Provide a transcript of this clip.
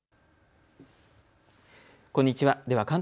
こんにちは。